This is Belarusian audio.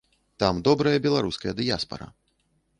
Там добрая беларуская дыяспара.